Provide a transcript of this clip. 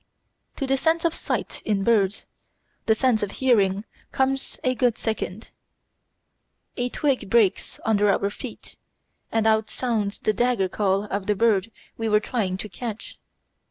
To the sense of sight in birds, the sense of hearing comes a good second. A twig breaks under our feet, and out sounds the danger call of the bird we were trying to watch.